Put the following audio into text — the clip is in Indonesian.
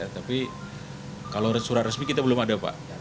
tapi kalau surat resmi kita belum ada pak